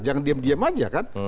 jangan diam diam aja kan